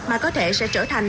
mà có thể sẽ trở thành